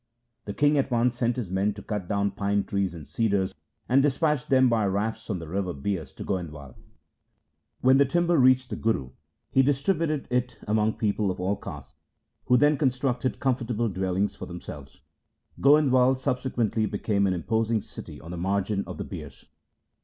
The king at once sent his men to cut down pine trees and cedars, and dispatch them by rafts on the river Bias to Goindwal. The king's order was promptly obeyed. When the timber reached the Guru, he distributed it among people of all castes, who then constructed comfortable dwellings for them selves. Goindwal subsequently became an imposing city on the margin of the Bias.